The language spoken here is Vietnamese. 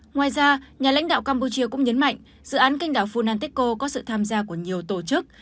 ngoài ra nhà lãnh đạo campuchia cũng nhấn mạnh dự án canh đảo funanteko có sự tham gia của nhiều tổ chức